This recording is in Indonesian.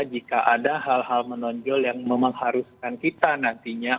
jika ada hal hal menonjol yang memang haruskan kita nantinya